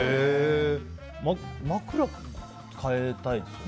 枕、変えたいですよね。